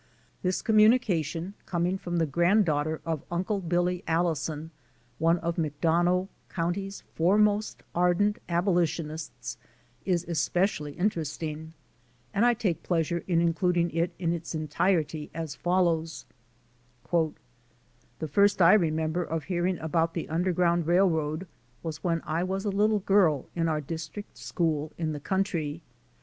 This commnnication, coming from the grand danghter of Uncle Billy Allison, one of Mc Donongh comity's foremost ardent abolitionists is especially interesting and I take pleasure in including it in its entirety, as follows : The first I remember of hearing about the Underground Eailroad was when I was a little girl in our district school in the country.